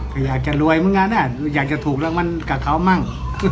ก็อยากจะรวยเหมือนกันอยากจะถูกรางวัลกับเขามั่ง